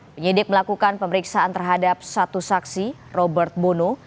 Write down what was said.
penyidik melakukan pemeriksaan terhadap satu saksi robert bono